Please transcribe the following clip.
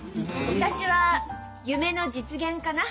私は夢の実現かな。